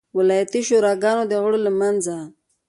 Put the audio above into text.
ولایتي شوراګانو د غړو له منځه.